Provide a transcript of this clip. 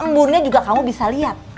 lemburnya juga kamu bisa lihat